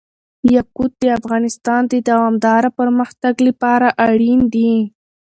یاقوت د افغانستان د دوامداره پرمختګ لپاره اړین دي.